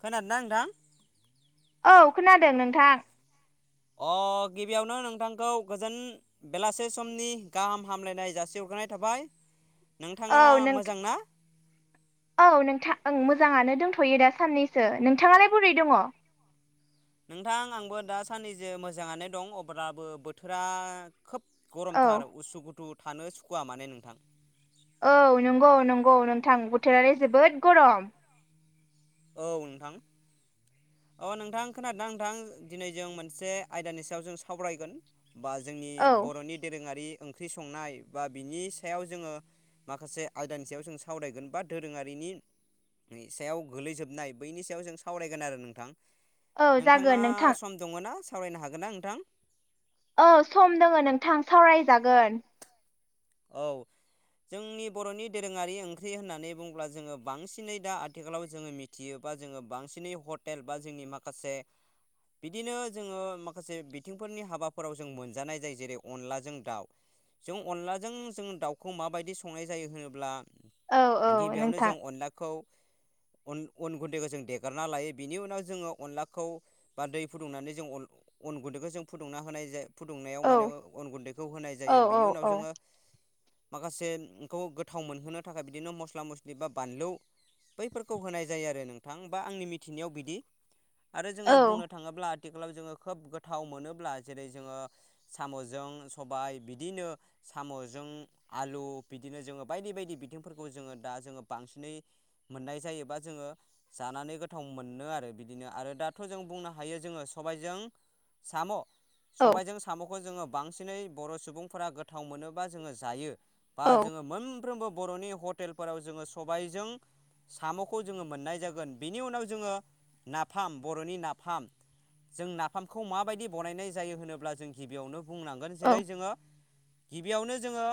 खोनादों ना नोंथां औ खोनादों नोंथां अ गिबियावनो नोंथांखौ गोजोन बेलासे समनि गाहाम हामलायनाय जासि हग्रोनाय थाबाय नोंथाङा औ नों मोजां ना औ नोंथां ओं मोजाङानो दंथ'यो दा साननैसो नोंथाङालाय बोरै दङ' नोंथां आंबो दा साननैजो मोजाङानो दं अब्लाबो बोथोरा खोब गरमथार उसु गुथु थानो सुखुवा माने नोंथां औ नंगौ नंगौ नोंथां बोथोरालाय जोबोद गरम औ नोंथां अ नोंथां खोनादों ना नोंथां दिनै जों मोनसे आयदानि सायाव जों सावरायगोन बा जोंनि औ बर'नि दोरोङारि ओंख्रि संनाय बा बिनि सायाव जोङो माखासे आयदानि सायाव जों सावरायगोन बा दोरोङारिनि सायाव गोलैजोबनाय बैनि सायाव जों सावरायगोन आरो नोंथां औ जागोन नोंथाङा नोंथां सम दङ' ना सावरायनो हागोन ना नोंथां औ सम दोङो नोंथां सावरायजागोन औ जोंनि बर'नि दोरोङारि ओंख्रि होननानै बुंङोब्ला जोङो बांसिनै दा आथिखालाव जोङो मि थियोबा जोङो बांसिनै हटेल बा जोंनि माखासे बिदिनो जोङो माखासे बिथिंफोरनि हाबाफोराव जों मोनजानाय जायो जेरै अनलाजों दाउ जों अनलाजों जों दाउखौ माबायदि संनाय जायो होनोब्ला औ औ गिबियावनो नोंथां जों अनलाखौ अन अन गुन्दैखौ जों देगोरना लायो बिनि उनाव जोङो अनलाखौ बा दै फुदुंनानै जों अन अन गुन्दैखौ जों फुदुंना होनाय जायो फुदुंनायाव औ माने अन गुन्दैखौ होनाय औ जायो बिनि औ उनाव औ जोङो माखासेखौ गोथाव मोनहोनो थाखाय बिदिनो मस्ला मस्लि बा बानलु बैफोरखौ होनाय जायो आरो नोंथां बा आंनि मिथिनायाव बिदि आरो जोङो औ बुंनो थाङोब्ला आथिखालाव जोङो खोब गोथाव मोनोब्ला जेरै जोङो साम'जों सबाय बिदिनो साम' जों आलु बिदिनो जोङो बायदि बायदि बिथिंफोरखौ जोङो दा जोङो बांसिनै मोननाय जायोबा जोङो जानानै गोथाव मोनो आरो बिदिनो आरो दाथ' जों बुंनो हायो जोङो सबायजों साम' औ सबायजों साम'खौ जोङो बांसिनै बर' सुबुंफोरा गोथाव मोनोबा जोङो जायो बा औ जोङो मोनफ्रोमबो बर'नि हटेलफोराव जोङो सबायजों साम'खौ जोङो मोननाय जागोन बिनि उनाव जोङो नाफाम बर'नि नाफाम जों नाफामखौ माबायदि बनायनाय जायो होनोब्ला जों गिबियावनो बुंनांगोन जेरै जोङो गिबियावनो जोङो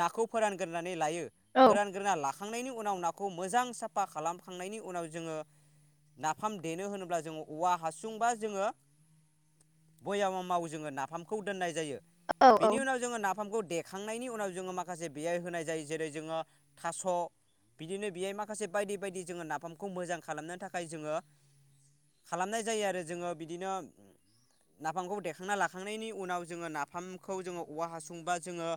नाखौ फोरानगोरनानै लायो औ फोरान ग्रोना लाखांनायनि उनाव नाखौ मोजां साफा खालामखांनायनि उनाव जोङो नाफाम देनो होनोब्ला जोङो औवा हासुंबा जोङो बयामाव जोङो नाफामखौ दोननाय जायो औ औ बेनि उनाव ज नाफामखौ देखांनायनि उनाव जोङो माखासे बेयाय होनाय जायो जेरै जोङो थास' बिदिनो बेहाय माखासे बायदि बायदि जोङो नाफामखौ मोजां खालामनो थाखाय जोङो खालामनाय जायो आरो जोङो बिदिनो नाफामखौ देखांना लाखांनायनि उनाव जोङो नाफामखौ जोङो औवा हासुंबा जोङो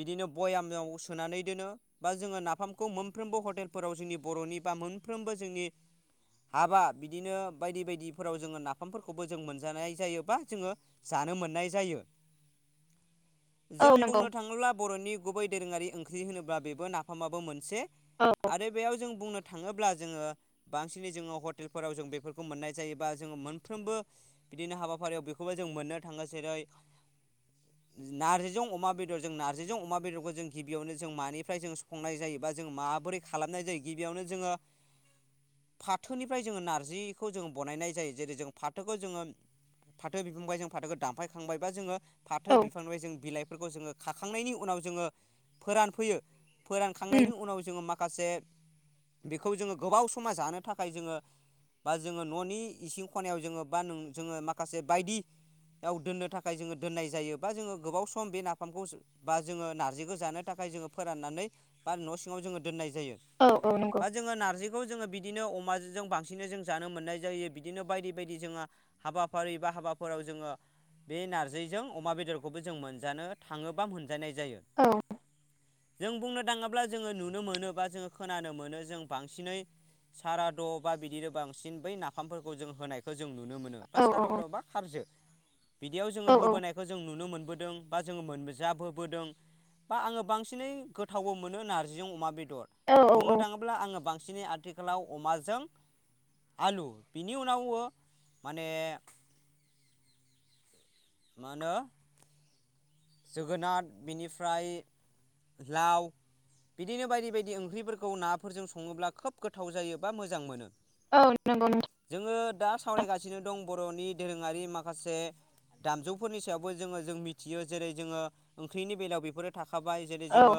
बिदिनो बयामाव सोनानै दोनो बा जोङो नाफामखौ मोनफ्रोमबो हटेलफोराव जोंनि बर'नि बा मोनफ्रोमबो जोंनि हाबा बिदिनो बायदि बायदिफोराव जोङो नाफामफोरखौबो जों मोनजानाय जायोबा जोङो जानो मोननाय जायो जों औ नंगौ बुंनो थाङोब्ला बर'नि गुबै दोरोङारि ओंख्रि होनोब्ला बेबो नाफामाबो मोनसे औ आरो बेयाव जों बुंनो थाङोब्ला जोङो बांसिनै जोङो हटेलफोराव जों बेफोरखौ मोननाय जायो बा जोङो मोनफ्रोमबो बिदिनो हाबाफारियाव बेखौबो जों मोननो थाङो जेरै नारजिजों अमा बेदर जों नारजिजों अमा बेदरखौ जों गिबियावनो जों मानिफ्राय जों खंनाय जायो बा जों माबोरै खालामनाय जायो गिबियावनो जोङो फाथोनिफ्राय जोङो नारजिखौ जोङो बनायनाय जायो जेरै जों फाथोखौ जोङो फाथो बिबुंबाय जों फाथोखौ दानफायखांबायबा जोङो फा थो औ बिफांनिफ्राय जों बिलाइफोरखौ जोङो खाखांनायनि उनाव जोङो फोरानफैयो उम फोरानखांनायनि उनाव जोङो माखासे बेखौ जोङो गोबाव समाव जानो थाखाय जोङो बा जोङो न'नि इसिं खनायाव जोङो बा नों जोङो माखासे बायदि बेयाव दोननो थाखाय जोङो दोननाय जायो बा जोङो गोबाव सम बे नाफामखौ बा जोङो नारजिखौ जानो थाखाय जोङो फोराननानै बा न' सिङाव जोङो दोननाय जायो औ औ नंगौ बा जोङो नारजिखौ जोङो बिदिनो अमाजोजो बांसिनै जों जानो मोननाय जायो बिदिनो बायदि बायदि जोङो हाबाफारि बा हाबाफोराव जोङो बे नारजिजों अमा बे दरखौबो जों मोनजानो थाङो बा मोनजानाय जायो औ जों बुंनो थाङो अब्ला जोङो नुनो मोनोब बा जोङो खोनानो मोनो जों बांसिनै सारा द' बा बिदिनो बांसिन बै नाफामफोरखौ जों होनाय जों नुनो मोनो बा औ औ सारद' बा खारजो बिदियाव जोङो औ होबोनायखो जों नुनो मोनबोदों बा जोङो मोनजाबबोदों बा आङो बांसिनै गोथावबो मोनो नार्जिजों अमा बेदर औ बुंनो औ थाङोब्ला आङो बांसिनै आथिखालाव अमाजों आलु बिनि उनावबो माने मानो जोगोनार बेनिफ्राय लाव बिदिनो बायदि बायदि ओंख्रिफोरखौ नाफोरजों सङोब्ला खोब गोथाव जायो बा मोजां मोनो औ नंगौ नों जोङो दा सावरायगासिनो दं बर'नि दोरोङारि माखासे दामजुफोरनि सायावबो जोङो जों मिथियो जेरै जोङो ओंख्रिनि बेलायाव बेफोरो थाखाबाय जेरै औ जोङो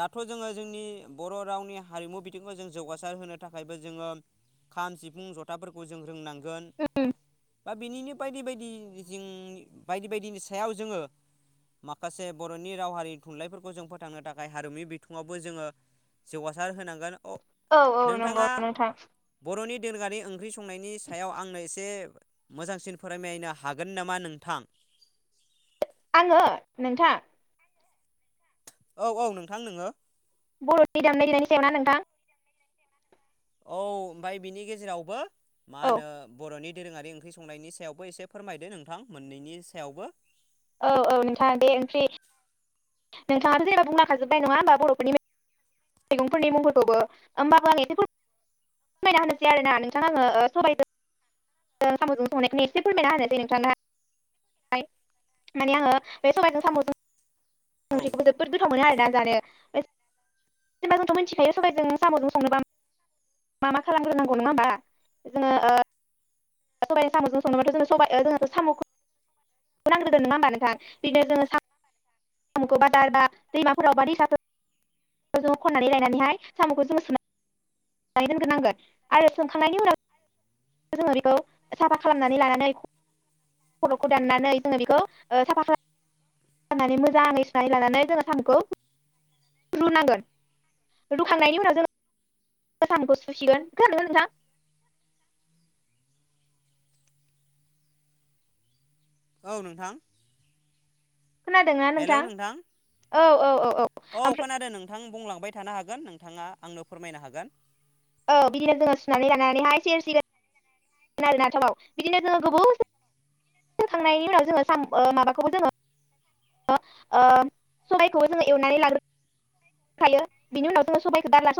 दाथ' जोङो जोंनि बर' रावनि हारिमु बिथिंखौ जों जौगासार होनो थाखायबो जोङो खाम, सिफुं, जथाफोरखौ जों रोंनां गोन उम बा बिनिनो बायदि बायदि जिं बायदि बायदिनि सायाव जोङो माखासे बर'नि राव हारिनि थुनलाइफोरखौ जों फोथांनो थाखाय हारिमु बिथिङावबो जोङो जौगासार होनांगोन अ औ औ नंगौ नोंथाङा नोंथां बर'नि दोरोंआरि ओंख्रि संनायनि सायाव आंनो एसे मोजांसिन फोरमायनो हागोन नामा नोंथां आङो नोंथां औ औ नोंथां नोङो बर'नि दामनाय-देनायनि सायावना नोंथां औ ओमफ्राय बिनि गेजेरावबो मा औ होनो बर'नि दोरोङारि ओंख्रि संनायनि सायावबो एसे फोरमायदो नोंथां मोननैनि सायावबो औ औ नोंथाङा दे ओंख्रि नोंथाथ' जेब्ला बुंलांखाजोबबाय नङा होनोबा बर'फोरनि मैगंफोरनि मुंफोरखौबो होमबाबो आं एसे फोरमायना होनोसै आरोना नोंथां आङो सबायजों साम'जों संनायखौनो एसे फोरमायना होनसै नोंथां ओ माने आङो बे सबायाइजों साम'जों औ संख्रिखौबो जोबोद गोथाव मोनो आरोना जानो जेनबा जोंथ' मिथिखायो सबायजों साम'जों संनोबा मा मा खालामग्रोनांगौ नङा होमबा जोङो [inaudible] सामखौ बादारबा दैमाफोरावबा दैसाफोर खननानै लायनानैहाय साम'खौ जों सनानै दोनग्रोनांगोन आरो सोंखांनायनि उनाव जोंङो बेखौ साफा खालामनानै लानानै खर'खौ दाननानै जोङो बेखौ साफा खाला फाननानै मोजाङै सुनाय लानानै जोंङो सामुखौ रुनांगोन रुखांनायनि उनाव जों गोसामखौ सुसिगोनोन खोनादोंना नोंथां औ नोंथां हेलौ नोंथां औ औ औ औ ओमफ्राय खोनादों नों नोंथां बुंलांबाय थानो हागोन नोंथाङा आंनो फोरमायनो हागोन। औ बिदिनो जोङो सुनानै लानानै हाय इदिनो आरो ना थावआव बिदिनो जोङो गोबौ खांनायनि उनाव जोङो सामु ओ माबाखौबो जोङो ओ सबायखौबो जोङो एवनानै लाग्रो खायो बिनि उनाव जोङो सबायखौ दाला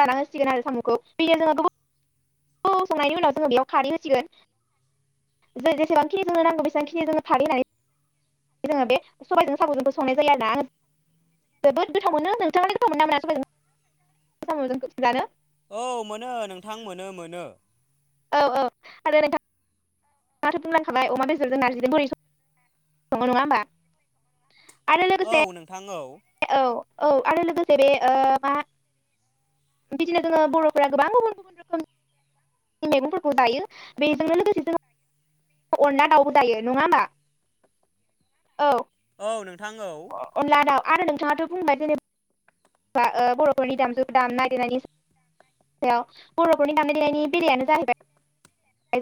लाना होसिगोन आरो साम'खौ बेनि गोबौ बौ संनायनि उनाव जोङो बेयाव खारै होसिगोन। जों जेसेबांखिनि जोंनो नांगौ बेसेबांखिनि जोङो खारै होनानै जोङो बे सबायाइजों साम'जोंबो संनाय जायो आरो ना। जोबोद गोथाव मोनो नोंथाङा गोथाव मोनो ना मोना सबायजों सामुजों जानो। औ मोनो नोंथां मोनो मोनो। औ औ आरो नोंथां माथो बुंलांखाबाय अमा बेदरजों नारजिजों बोरै सङ नङा होनबा? आरो लोगोसे औ नोंथां औ औ औ आरो लोगोसे बे ओ मा बिदिनो जोङो बर'फोरा गोबां गुबुन गुबुन रोखोम मैगंफोरखौ दायो बेजोंनो लोगोसे जोङो अनला दाउबो जायो नङा होमबा औ औ नोंथां औ अनला दाव आरो नोंथाङाथ' बुंबाय जेनेबा बा बर'फोरनि दामजु दाम नायगिरनायनि याव बर'फोरनि दामनाय देनायनि बेलायानो जाहैबाय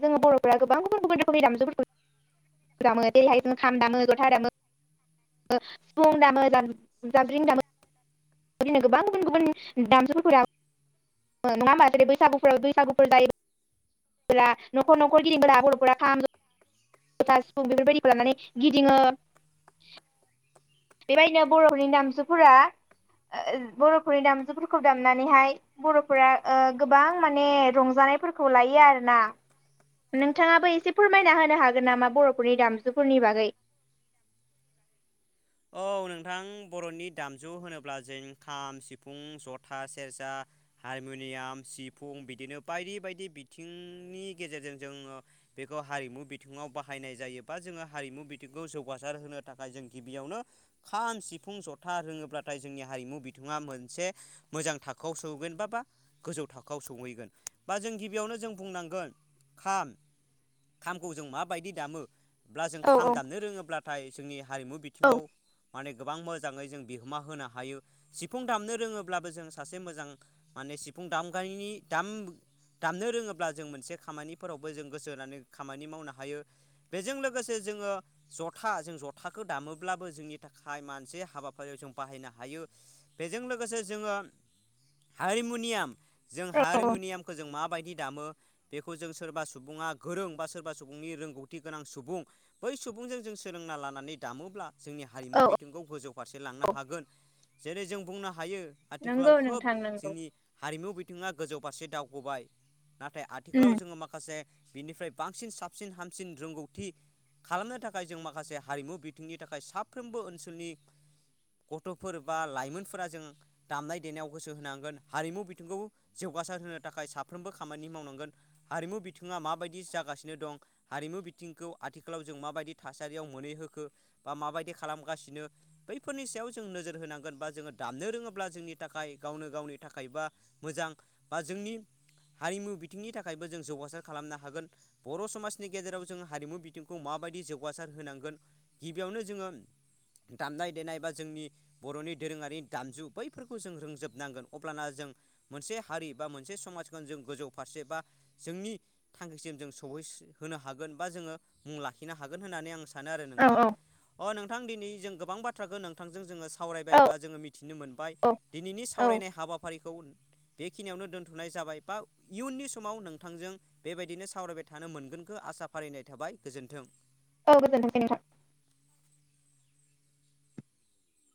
जोङो बर'फोरा गोबां गुबुन गुबुन रखोमनि दामजुफोरखौ जेरैहाय जों खाम दामो जथा दामो सिफुं दामो जाबस्रिं दामो। बिदिनो गोबां गुबुन गुबुन दामजुफोरा मा नङा ओमबा माथै बैसागुफ्राव बैसागुफोर दायो। फोरा न'खर न'खर गिदिंना बर'फोरा सिफुं बेफोरबायदिखौ लानानै गिदिङो बेबायदिनो बर'फोरनि दामजुफोरा बर'फोरनि दामजुफोरखौ दामनानैहाय बर'फोरा ओ गोबां माने रंजानायफोरखौ लायो आरो ना। नोंथाङाबो एसे फोरमायना होनो हागोन नामा बर'फोरनि दामजुफोरनि बागै? औ नोंथां बर'नि दामजु होनोब्ला जों खाम सिफुं जथा सेरजा हारमुनियाम सिफुं बिदिनो बायदि बायदि बिथिंनि गेजेरजों जोङो बेखौ हारिमु बिथिङाव बाहायनाय जायोबा जोङो हारिमु बिथिंखौ जौगासार होनो थाखाय जों बेयावनो खाम सिफुं जथा रोङोब्लाथाय जोंनि हारिमु बिथिंआ मोनसे मोजां थाखोआव सौहैगोनबा बा गोजौ थाखोआव सौहैगोन बा जों गिबियावनो जों बुंनांगोन खाम खामखौ जों माबायदि दामोब्ला जों औ खाम औ दामनो रोङोब्लाथाय जोंनि हारिमु औ बिथिंआव माने गोबां मोजाङै जों बिहोमा होनो हायो सिफुं दामनो रोङोब्लाबो जों सासे मोजां माने सिफुं दामगारिनि दाम दामनो रोङोब्ला जों मोनसे खामानिफोरावबो जों गोसो होनानै खामानि मावनो हायो। बेजों लोगोसे जोङो जथा जों जथाखौ दामो ब्लाबो जोंनि थाखाय मानसे हाबाफारियाव जों बाहायनो हायो बेजों लोगोसे जोङो हारमुनियाम जों औ औ हारमुनियामखौ जों माबायदि दामो बेखौ जों सोरबा सुबुङा गोरों बा सोरबा सुबुंनि रोंगौथि गोनां सुबुं बै सुबुंजों जों सोलोंना लानानै दामोब्ला जोंनि हारिमु औ बिथिंखौ गोजौ फारसे लांनो हागोन जेरै जों बुंनो हायो आथिखालाव नंगौ खोब नोंथां नंगौ जोंनि हारिमु बिथिङा गोजौ फारसे दावखोबाय नाथाय उम आथिखालाव जोङो माखासे बिनिफ्राय बांसिन साबसिन हामसिन रोंगौथि खालामनो थाखाय जों माखासे हारिमु बिथिंनि थाखाय साफ्रोमबो ओनसोलनि गथ'फोर बा लाइमोनफोरा जोङो दामनाय देनायाव गोसो होनांगोन हारिमु बिथिंखौ जौगासार होनो थाखाय साफ्रोमबो खामानि मावनांगोन। हारिमु बिथिङा माबायदि जागासिनो दं हारिमु बिथिंखौ आथिखालाव जों माबायदि थासारियाव मोनहैहोखो बा माबायदि खालामगासिनो? बैफोरनि सायाव जों नोजोर होनांगोन बा जोङो दामनो रोङोब्ला जोंनि थाखाय गावनो गावनि थाखाय बा मोजां बा जोंनि हारिमु बिथिंनि थाखायबो जों जौगासार खालामनो हागोन। बर' समाजनि गेजेराव जोङो हारिमु बिथिंखौ माबायदि जौगासार होनांगोन? गिबियावनो जोङो दामनाय देनाय बा जोंनि बर'नि दोरोङारि दामजु बैफोरखौ जों रोंजोबनांगोन अब्लाना जों मोनसे हारि बा मोनसे समाजखौ जों गोजौ फारसे बा जोंनि थांखिसिम जों सहैस होनो हागोन बा जोङो मुं लाखिनो हागोन होननानै आं सानो आरो औ नोंथां। औ अ नोंथां दिनै जों गोबां बाथ थ्राखौ नोंथांजों जोङो औ सावरायबाय बा जोङो मिथिनो मोनबाय औ दिनैनि औ सावरायनाय हाबाफारिखौ बेखिनियावनो दोनथ'नाय जाबाय बा इयुननि समाव नोंथांजों बेबायदिनो सावरायबाय थानो मोनगोनखो आसा फारिनाय थाबाय गोजोन्थों। औ गोजोन्थों नोंथां।